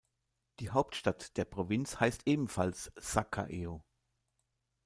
Die Hauptstadt der Provinz heißt ebenfalls Sa Kaeo.